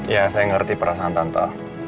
ya saya ngerti perasaan tanta